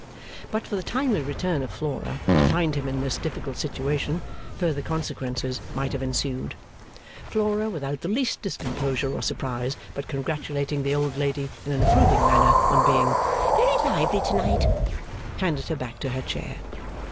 But for the timely return of Flora, to find him in this difficult situation, further consequences might have ensued. Flora, without the least discomposure or surprise, but congratulating the old lady in an approving manner on being 'very lively to night', handed her back to her chair.